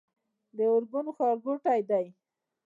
د ارګون ښارګوټی دی